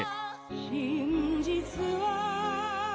「真実は」